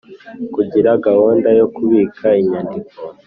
Kugira gahunda yo kubika inyandiko